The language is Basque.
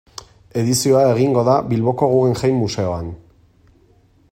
Edizioa egingo da Bilboko Guggenheim museoan.